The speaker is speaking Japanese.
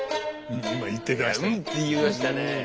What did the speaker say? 「ん！」って言いましたね。